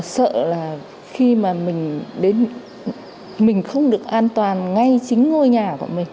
sợ là khi mà mình đến mình không được an toàn ngay chính ngôi nhà của mình